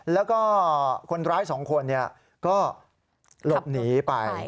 แล้วก็คนร้าย๒คนก็หลบหนีไป